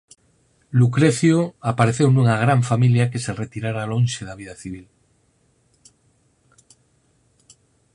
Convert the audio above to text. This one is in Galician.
Lucrecio apareceu nunha gran familia que se retirara lonxe da vida civil.